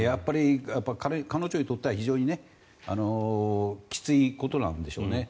彼女にとっては非常にきついことなんでしょうね。